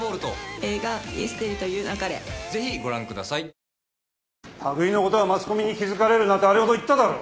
「ハミングフレア」羽喰のことはマスコミに気付かれるなとあれほど言っただろ。